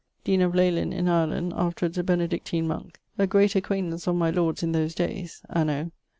(dean of in Ireland, afterwards a Benedictin monke), a great acquaintance of my lord's in those dayes (anno